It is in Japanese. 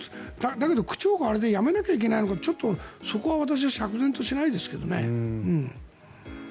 だけど区長があれで辞めなきゃいけないのかちょっと私はそこは釈然としないですけどね。